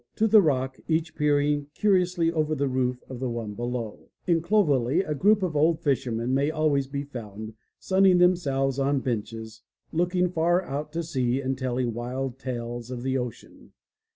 to the rock, each peering curiously over the roof of the one below. In Clovelly a group of old fishermen may always be found, sunning themselves on benches, looking far out to sea and telling wild tales of the ocean.